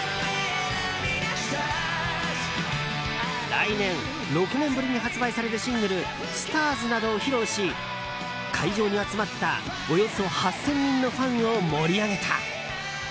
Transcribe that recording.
来年６年ぶりに発売されるシングル「ＳＴＡＲＳ」などを披露し会場に集まったおよそ８０００人のファンを盛り上げた。